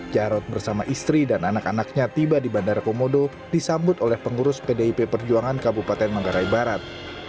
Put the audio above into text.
jarod bersama istri dan anak anaknya tiba di bandara komodo disambut oleh pengurus pdip perjuangan kabupaten manggarai barat